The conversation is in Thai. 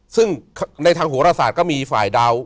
ซึ่งในทางโหรศาสตร์ก็มีฝ่ายดาว